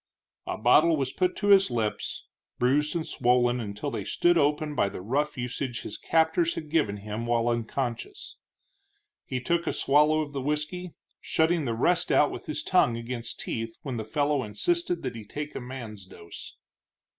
A bottle was put to his lips, bruised and swollen until they stood open by the rough usage his captors had given him while unconscious. He took a swallow of the whisky, shutting the rest out with tongue against teeth when the fellow insisted that he take a man's dose.